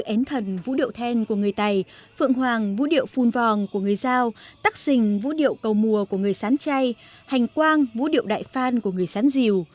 ến thần vũ điệu then của người tài phượng hoàng vũ điệu phun vòng của người giao tắc xình vũ điệu cầu mùa của người sán chay hành quang vũ điệu đại phan của người sán diều